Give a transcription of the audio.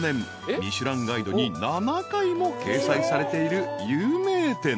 ［『ミシュランガイド』に７回も掲載されている有名店］